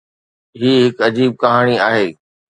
هي هڪ عجيب ڪهاڻي آهي.